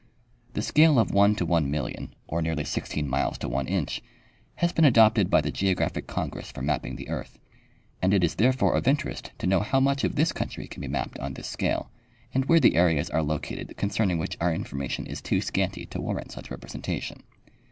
The scale of 1 : 1,000,000, or nearly 16 miles to one inch, has been adopted by the Geographic congress for mapping the earth, and it is therefore of interest to know how much of this country can be mapped on this scale, and where the areas are located concerning which our information is too scanty to warrant such representation.